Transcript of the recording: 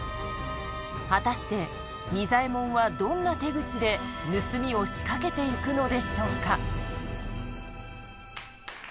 果たして仁左衛門はどんな手口で盗みを仕掛けていくのでしょうか。